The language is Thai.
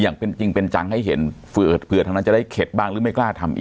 อย่างเป็นจริงเป็นจังให้เห็นเผื่อทางนั้นจะได้เข็ดบ้างหรือไม่กล้าทำอีก